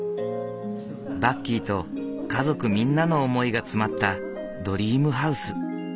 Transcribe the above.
バッキーと家族みんなの思いが詰まったドリームハウス。